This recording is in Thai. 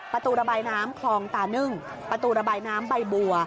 ประตูระบายน้ำคลองตานึ่งประตูระบายน้ำใบบัว